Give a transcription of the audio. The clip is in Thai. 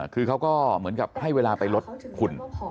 คือเขาก็เหมือนกับให้เวลาไปลดคุณ